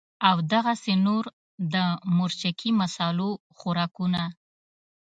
او دغسې نور د مرچکي مصالو خوراکونه